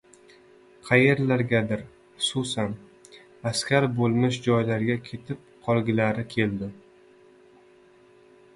Qayerlargadir, xususan, askar bo‘lmish joylariga ketib qolgilari keldi.